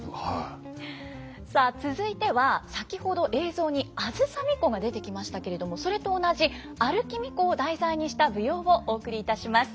さあ続いては先ほど映像に梓巫女が出てきましたけれどもそれと同じ歩き巫女を題材にした舞踊をお送りいたします。